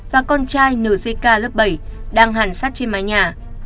và con trai nzk lớp bảy đang hàn sát trên mái nhà